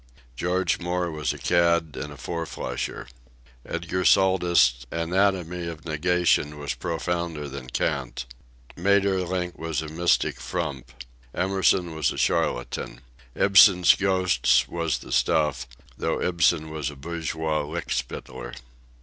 George Moore was a cad and a four—flusher. Edgar Saltus' Anatomy of Negation was profounder than Kant. Maeterlinck was a mystic frump. Emerson was a charlatan. Ibsen's Ghosts was the stuff, though Ibsen was a bourgeois lickspittler.